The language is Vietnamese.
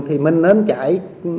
thì mình nên chạy